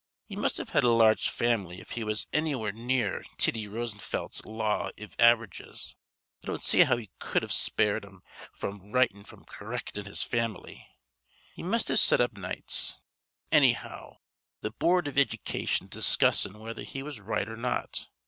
He must've had a large famly if he was annywhere near Tiddy Rosenfelt's law iv av'rages. I don't see how he cud've spared time f'r writin' from correctin' his fam'ly. He must've set up nights. Annyhow, th' boord iv iddycation is discussin' whether he was right or not.